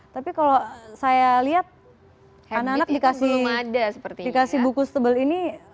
tapi kalau saya lihat anak anak dikasih buku setebel ini